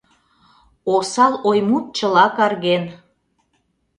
Осал ой-мут чыла карген.